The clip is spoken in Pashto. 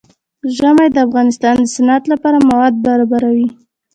ژمی د افغانستان د صنعت لپاره مواد برابروي.